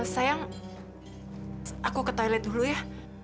sayang aku ke toilet dulu ya